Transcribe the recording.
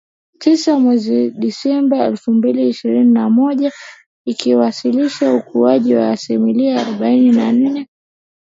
tisa mwezi Disemba elfu mbili ishirini na moja, ikiwasilisha ukuaji wa asilimia arobaini na nne